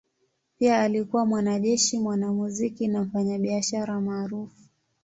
Pia alikuwa mwanajeshi, mwanamuziki na mfanyabiashara maarufu.